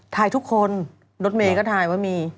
ถ่ายทุกคนรถเมย์ก็ถ่ายว่ามี